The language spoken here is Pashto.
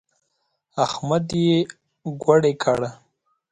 احمد يې ګوړۍ کړ.